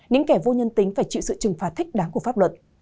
những kẻ vô nhân tính phải chịu sự trừng phạt thích đáng của pháp luật